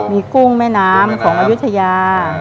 มีกุ้งแม่น้ำของอายุทยา